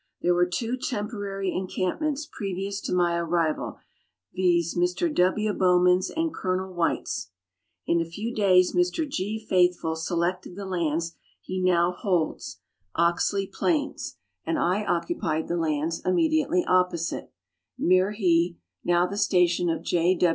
There were two temporary encampments previous to my arrival, viz., Mr. W. Bowman's and Col. White's. In a few days Mr. G. Faithfull selected the lands he now holds Oxley Letters from Victorian Pioneers. 187 Plains and I occupied the lands immediately opposite Myrrhee, now the station of J.